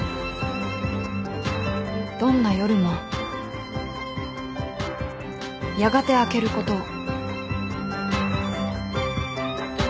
［どんな夜もやがて明けることを］